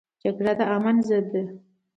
جګړه د امن ضد ده